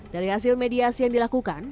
dari hasil mediasi yang dilakukan